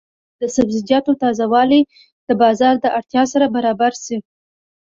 د سبزیجاتو تازه والي د بازار د اړتیا سره برابر شي.